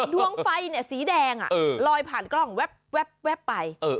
ดวงไฟสีแดงลอยผ่านกล้องแว๊บไป